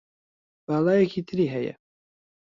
باڵایەکی تری هەیە